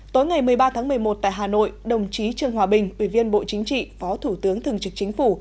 tối ngày một mươi ba tháng một mươi một tại hà nội đồng chí trương hòa bình ủy viên bộ chính trị phó thủ tướng thường trực chính phủ